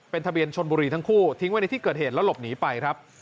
ทะเบียนชนบุรีทั้งคู่ทิ้งไว้ในที่เกิดเหตุแล้วหลบหนีไปครับ